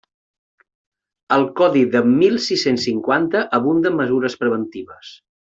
El Codi de mil sis-cents cinquanta abunda en mesures preventives.